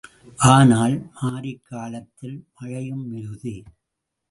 ஆனால், மாரிக் காலத்தில் மழையும் மிகுதி.